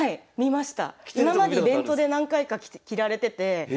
今までイベントで何回か着られてて。